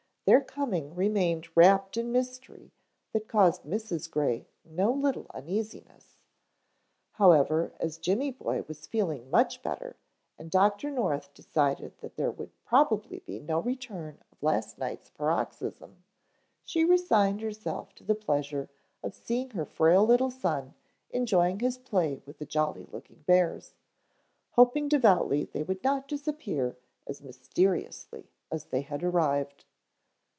Their coming remained wrapped in mystery that caused Mrs. Gray no little uneasiness. However, as Jimmy boy was feeling much better and Dr. North decided that there would probably be no return of last night's paroxysm, she resigned herself to the pleasure of seeing her frail little son enjoying his play with the jolly looking bears, hoping devoutly they would not disappear as mysteriously as they had arrived.